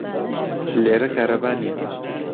لێرە کارەبا نییە.